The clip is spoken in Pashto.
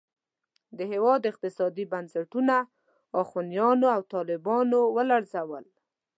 د هېواد اقتصادي بنسټونه اخوانیانو او طالبانو ولړزول.